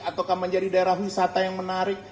ataukah menjadi daerah wisata yang menarik